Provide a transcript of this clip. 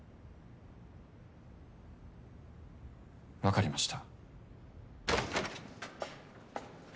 わかりました。